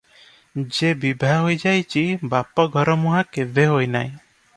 ଯେ ବିଭା ହୋଇ ଯାଇଛି, ବାପ-ଘରମୁହାଁ କେଭେ ହୋଇନାହିଁ ।